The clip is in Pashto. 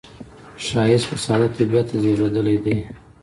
ښایست له ساده طبعیته زیږېدلی دی